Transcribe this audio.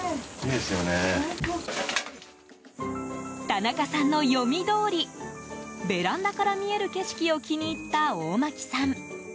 田中さんの読みどおりベランダから見える景色を気に入った大巻さん。